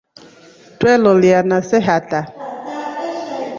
Twelilyana see hata.